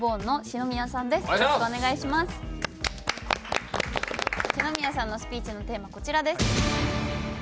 篠宮さんのスピーチのテーマこちらです。